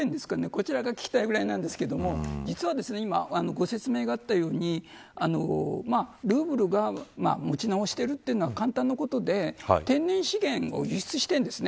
こちらが聞きたいくらいなんですが今、ご説明があったようにルーブルが持ち直しているというのは簡単なことで天然資源を輸出しているんです。